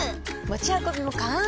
持ち運びも簡単！